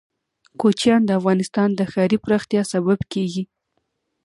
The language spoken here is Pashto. کوچیان د افغانستان د ښاري پراختیا سبب کېږي.